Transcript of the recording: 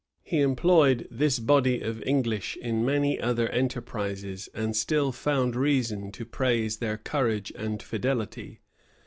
He employed this body of English in many other enterprises; and still found reason to praise their courage and fidelity.